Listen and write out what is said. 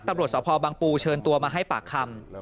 ตำรวจสภบังปูเชิญตัวมาให้ปากคำ